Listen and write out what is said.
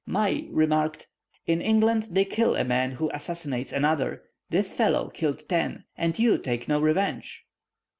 Mai remarked, "In England they kill a man who assassinates another; this fellow killed ten, and you take no revenge!"